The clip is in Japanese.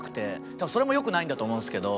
多分それも良くないんだと思うんですけど。